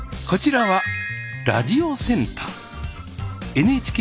こちらはラジオセンター。